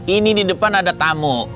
ini di depan ada tamu